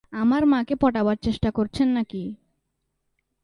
আমার মাকে পটাবার চেষ্টা করছেন নাকি?